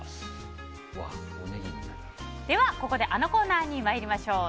ここであのコーナーに参りましょう。